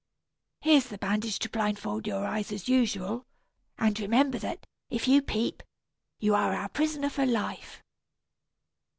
Here's the bandage to blindfold your eyes, as usual; and remember that, if you peep, you are our prisoner for life."